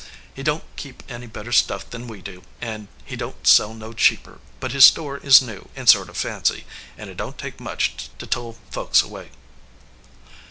He don t keep any better stuff than we do, and he don t sell no cheaper, but his store is new and sort of fancy, and it don t take much to tole folks away."